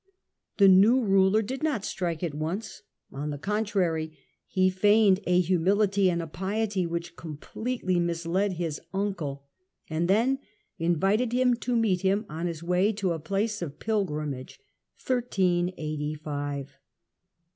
The new ruler did not strike at once ; on the contrary, he Removal of feigned a humility and a piety which completely misled 1385^^°' his uncle, and then invited him to meet him on his way to a place of pilgrimage.